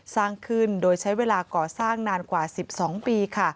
สร้างขึ้นโดยใช้เวลาก่อสร้างนานกว่า๑๒ปี